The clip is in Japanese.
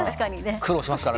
苦労しますからね。